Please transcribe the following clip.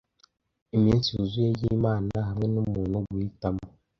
Iminsi yuzuye yimana - Hamwe numuntu, guhitamo,